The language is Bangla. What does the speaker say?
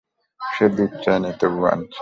সে দুধ চায় নি, তবু আনছে।